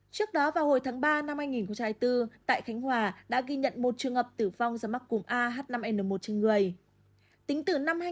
trước đó vào hồi tháng ba năm hai nghìn hai mươi bốn tại khánh hòa đã ghi nhận một trường hợp tử vong do mắc cúm ah năm n một trên người